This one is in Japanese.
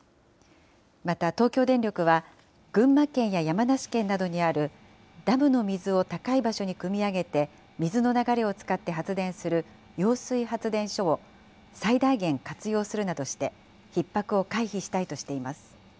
また東京電力は、群馬県や山梨県などにあるダムの水を高い場所にくみ上げて、水の流れを使って発電する揚水発電所を最大限活用するなどして、ひっ迫を回避したいとしています。